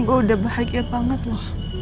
oh udah bahagia banget loh